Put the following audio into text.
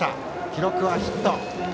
記録はヒット。